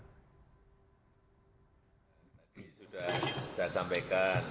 tidak akan berapa lama lagi insya allah tidak akan berbulan bulan